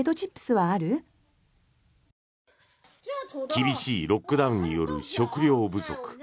厳しいロックダウンによる食料不足。